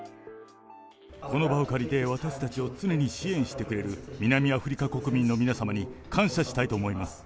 この場を借りて、私たちを常に支援してくれる南アフリカ国民の皆様に、感謝したいと思います。